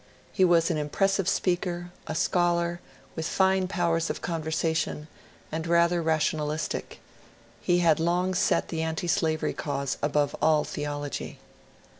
He was an impressive speaker, a scholar, with fine powers of conversation, and rather rationalistic. He had long set the antislavery cause above all theology.